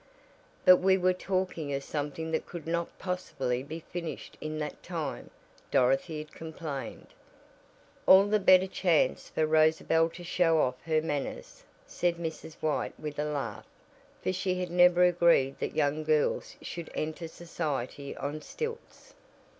"But we were talking of something that could not possibly be finished in that time," Dorothy had complained. "All the better chance for Rosabel to show off her manners," said Mrs. White with a laugh, for she had never agreed that young girls should enter society on stilts.